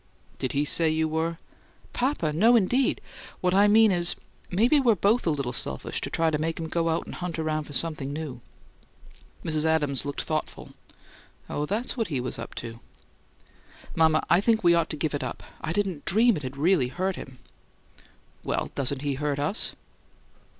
"Did he say you were?" "Papa? No, indeed! What I mean is, maybe we're both a little selfish to try to make him go out and hunt around for something new." Mrs. Adams looked thoughtful. "Oh, that's what he was up to!" "Mama, I think we ought to give it up. I didn't dream it had really hurt him." "Well, doesn't he hurt us?"